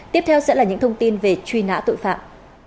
tiếp theo sẽ là những thông tin về truy nã tội phạm